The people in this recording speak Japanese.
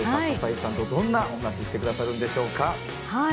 葛西さんとどんなお話をしてくださるんでしょうか。